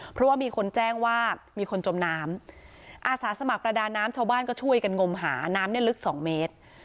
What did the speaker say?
เพราะว่ามีคนแจ้งว่ามีคนจมน้ำอาสาสมัครประดาน้ำชาวบ้านก็ช่วยกันงมหาน้ำเนี่ยลึกสองเมตร